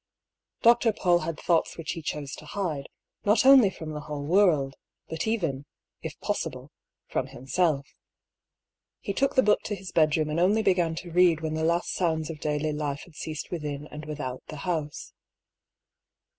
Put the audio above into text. Dr. Paull had thoughts which he chose to hide, not only from the whole world, but even, if possible, from himself. He took the book to his bedroom and only began to read when the last sounds of daily life had ceased within and without the house.